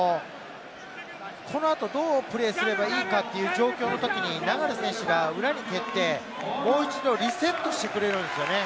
この後どうプレーすればいいかっていう状況の時に、流選手が裏に蹴って、もう一度リセットしてくれるんですよね。